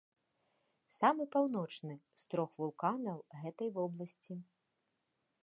Самы паўночны з трох вулканаў гэтай вобласці.